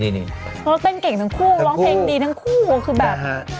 เพราะเต้นเก่งทั้งคู่ร้องเพลงดีทั้งคู่คือแบบ